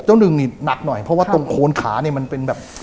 หนึ่งนี่หนักหน่อยเพราะว่าตรงโคนขาเนี่ยมันเป็นแบบ